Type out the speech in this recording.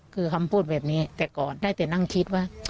คือคำพูดแบบนี้แต่ก่อนได้แต่นั่งคิดว่า